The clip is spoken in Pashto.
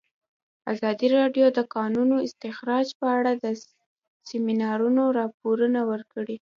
ازادي راډیو د د کانونو استخراج په اړه د سیمینارونو راپورونه ورکړي.